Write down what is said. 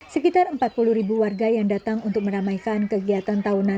sekitar empat puluh ribu warga yang datang untuk meramaikan kegiatan tahunan